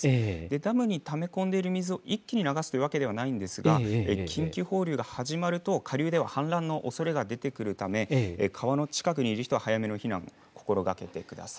ダムにため込んでいる水を一気に流すというわけではないんですが、緊急放流が始まると、下流では氾濫のおそれが出てくるため、川の近くにいる人は早めの避難を心がけてください。